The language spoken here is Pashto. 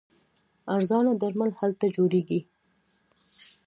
ارزانه درمل هلته جوړیږي.